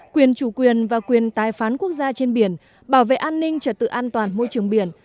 quyền chủ quyền và quyền tài phán quốc gia trên biển bảo vệ an ninh trật tự an toàn môi trường biển